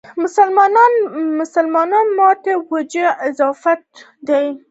مسلمانانو ماتې وجه اضافات دي.